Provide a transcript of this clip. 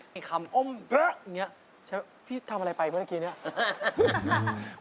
มีคำอมเนี่ยพี่ทำอะไรไปเพื่อนกี้เนี่ย